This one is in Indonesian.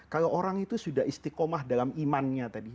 kalau orang itu sudah istiqomah dalam imannya tadi